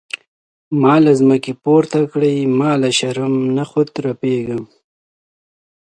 ما له ځمکې پورته کړي ما له شرم نخوت رپیږم.